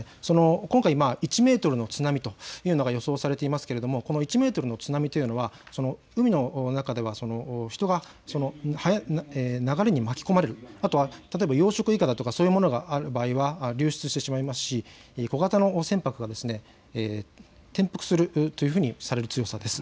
今回１メートルの津波というのが予想されていますがこの１メートルの津波というのは海の中では人が流れに巻き込まれる、あとは養殖いかだとかそういうものがある場合は流出してしまいますし小型の船舶が転覆するとされる強さです。